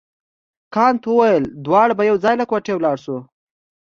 کانت وویل دواړه به یو ځای له کوټې ولاړ شو.